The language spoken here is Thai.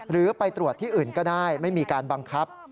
หรือไปตรวจที่อื่นก็ได้ไม่มีการบังคับ